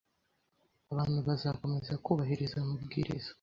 abantu bazakomeza kubahiriza amabwiriza